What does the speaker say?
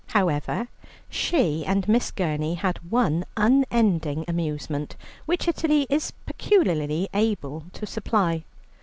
However, she and Miss Gurney had one unending amusement, which Italy is peculiarly able to supply.